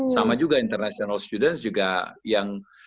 sama juga international students juga yang